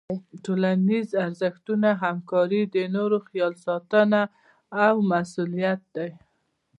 ټولنیز ارزښتونه همکاري، د نورو خیال ساتنه او مسؤلیت دي.